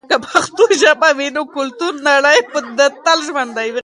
که پښتو ژبه وي، نو کلتوري نړی به تل ژوندي وي.